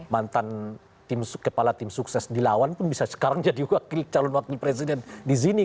mantan kepala tim sukses dilawan pun bisa sekarang jadi calon wakil presiden di sini